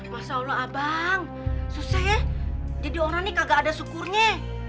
masya allah abang susah ya jadi orang ini kagak ada syukurnya